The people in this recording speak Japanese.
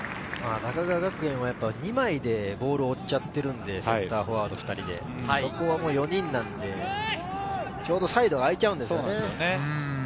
高川学園は２枚でボールを追っちゃっているので、サッカーフォワード２人でそこは４人なんでちょうどサイドが空いちゃうんですよね。